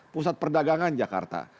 pusat perdagangan jakarta